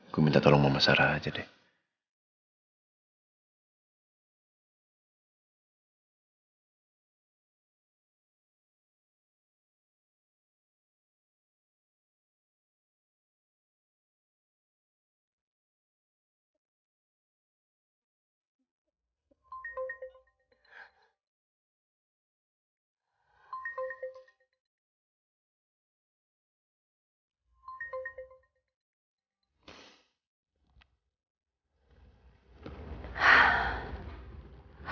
gue minta tolong mama sarah aja deh